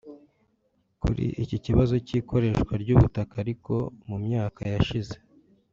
Kuri iki kibazo cy’ikoreshwa ry’ubutaka ariko mu myaka yashize